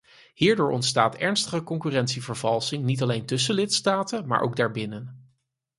Hierdoor ontstaat ernstige concurrentievervalsing, niet alleen tussen lidstaten, maar ook daarbinnen.